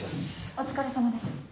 お疲れさまです。